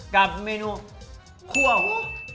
กับเมนูครั่วโห่